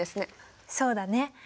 そうだね。